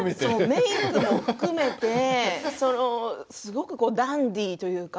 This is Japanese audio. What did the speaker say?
メークも含めてすごくダンディーというか。